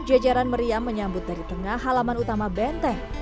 jajaran meriam menyambut dari tengah halaman utama benteng